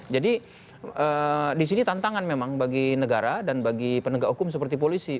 jadi di sini tantangan memang bagi negara dan bagi penegak hukum seperti polisi